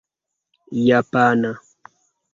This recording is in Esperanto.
japana